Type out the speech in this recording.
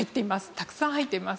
たくさん入っています。